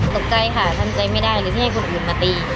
ตกใจค่ะทำใจไม่ได้หรือที่ให้คนอื่นมาตี